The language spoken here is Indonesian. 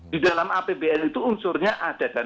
di dalam apbn itu unsurnya ada dana optimalisasi